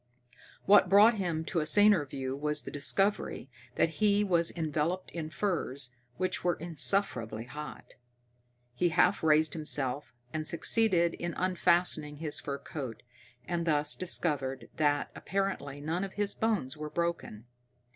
What brought him to a saner view was the discovery that he was enveloped in furs which were insufferably hot. He half raised himself and succeeded in unfastening his fur coat, and thus discovered that apparently none of his bones was broken.